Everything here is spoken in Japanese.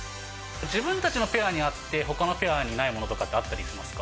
自分たちのペアにあって、ほかのペアにないものってあったりしま